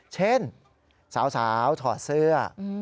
เช่นสาวถอดเสื้อ